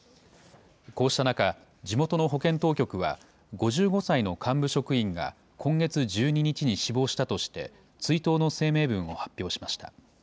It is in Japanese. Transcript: こうした中、地元の保健当局は５５歳の幹部職員が、今月１２日に死亡したとして、追悼の声明文を発表しました。